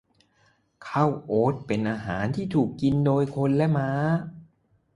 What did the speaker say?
ข้าวโอ๊ตเป็นอาหารที่ถูกกินโดยคนและม้า